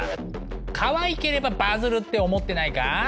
かわいければバズるって思ってないか？